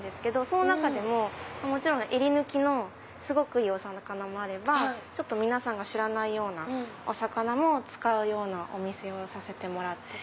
その中でももちろんえり抜きのすごくいいお魚もあれば皆さんが知らないお魚も使うようなお店をさせてもらって。